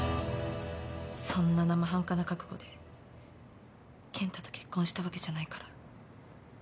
そんな生半可な覚悟で健太と結婚したわけじゃないから。